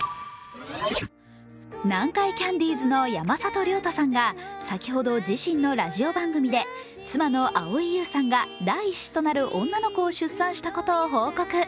南海キャンディーズの山里亮太さんが先ほど自身のラジオ番組で妻の蒼井優さんが第１子となる女の子を出産したことを報告。